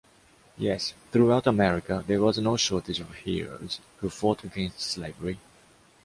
Yes, throughout America there was no shortage of heroes who fought against slavery.